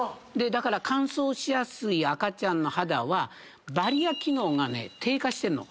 だから乾燥しやすい赤ちゃんの肌はバリア機能が低下してんの。